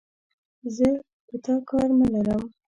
زه په تا کار نه لرم،